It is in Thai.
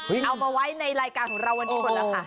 เอามาไว้ในรายการของเราวันนี้หมดแล้วค่ะ